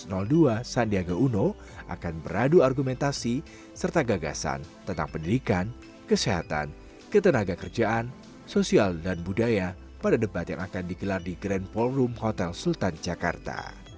kepada nomor urut satu maruf amin dan jawa pres dua sandiaga uno akan beradu argumentasi serta gagasan tentang pendidikan kesehatan ketenaga kerjaan sosial dan budaya pada debat yang akan digelar di grand ballroom hotel sultan jakarta